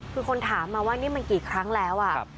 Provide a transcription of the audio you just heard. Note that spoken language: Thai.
คือคนถามมาว่านี่มันกี่ครั้งแล้วอ่ะ